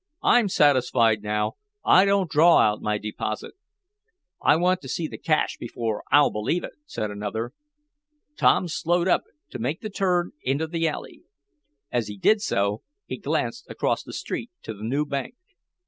"I'm satisfied now. I won't draw out my deposit." "I want to see the cash before I'll believe it," said another. Tom slowed up to make the turn into the alley. As he did so he glanced across the street to the new bank.